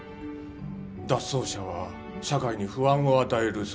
脱走者は社会に不安を与える存在だ。